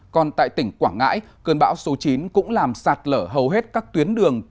còn tại tỉnh quảng ngãi cơn bão số chín cũng làm sạt lở hầu hết các tuyến đường